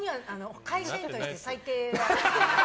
会社員として最低。